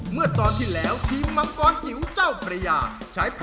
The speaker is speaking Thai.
พวกเรามังกรจิ๋วเจ้าประยาสู้ไม่ถอยฆ่า